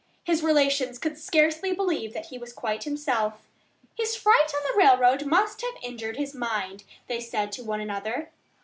His relations could scarcely believe that he was quite himself. "His fright on the railroad must have injured his mind," they said to one another.